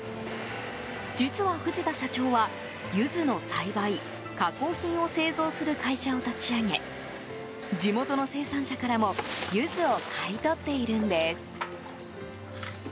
実は、藤田社長はユズの栽培、加工品を製造する会社を立ち上げ地元の生産者からもユズを買い取っているんです。